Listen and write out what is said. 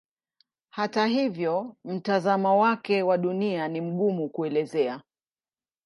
Hata hivyo mtazamo wake wa Dunia ni mgumu kuelezea.